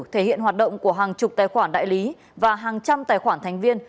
thể hiện hoạt động của hàng chục tài khoản đại lý và hàng trăm tài khoản thành viên